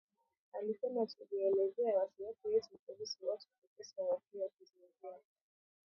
Alisema "tulielezea wasiwasi wetu kuhusu watu kuteswa wakiwa kizuizini"